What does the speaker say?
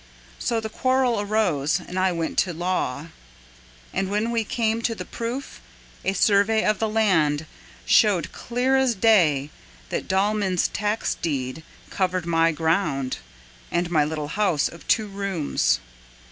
So the quarrel arose and I went to law. But when we came to the proof, A survey of the land showed clear as day That Dallman's tax deed covered my ground And my little house of two rooms.